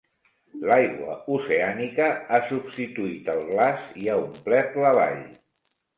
L'aigua oceànica ha substituït el glaç i ha omplert la vall.